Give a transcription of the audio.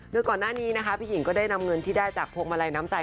โดยก่อนหน้านี้นะคะพี่หญิงก็ได้นำเงินที่ได้จากพวงมาลัยน้ำใจ